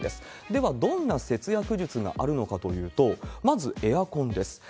では、どんな節約術があるのかというと、まずエアコンです。